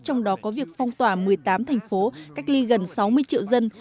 trong đó có việc phong tỏa một mươi tám thành phố cách ly gần sáu mươi triệu dân